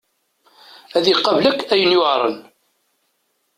Ad iqabel akk ayen yuɛren.